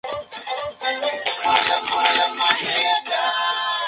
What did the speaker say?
Sus miembros se ubican en el noroeste de los Estados Unidos.